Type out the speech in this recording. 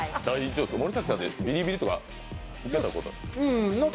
森崎さんってビリビリとか受けたこと？